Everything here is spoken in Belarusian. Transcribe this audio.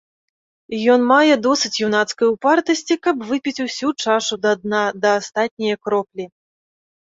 Ён мае досыць юнацкай упартасці, каб выпіць усю чашу да дна, да астатняе кроплі!